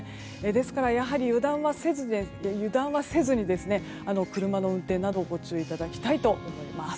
ですから、やはり油断はせずに車の運転などご注意いただきたいと思います。